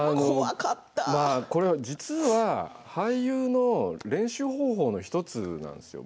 実は俳優の練習方法の１つなんですよ。